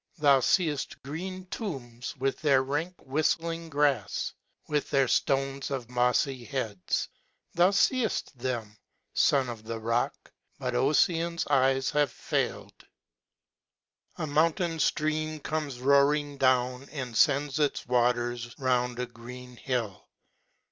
Thou feeft green tombs, with their rank whifi:ling grafs j with their ftones of mofTy heads. Thou feeft them, fon of the rock, but Offian's eyes have failed. A mountain ftream comes roaring down, and fends its waters round a green hill.